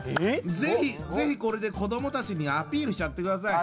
是非是非これで子どもたちにアピールしちゃってください。